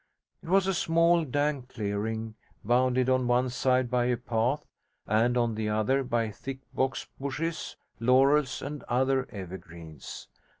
It was a small, dank clearing, bounded on one side by a path, and on the other by thick box bushes, laurels, and other evergreens.